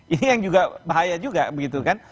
ini yang juga bahaya juga begitu kan